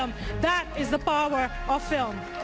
นั่นคือภารกิจ